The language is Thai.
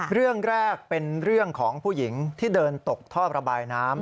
เรื่องแรกเป็นเรื่องของผู้หญิงที่เดินตกท่อระบายน้ำ